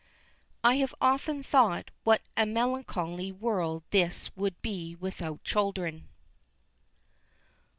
"I have often thought what a melancholy world this would be without children."